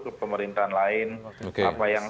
ke pemerintahan lain apa yang